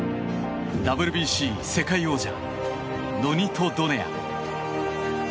ＷＢＣ世界王者ノニト・ドネア。